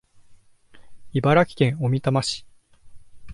茨城県小美玉市